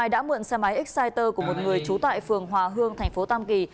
đã mượn xe máy exciter của một người chú tại phường hòa hương tp tam kỳ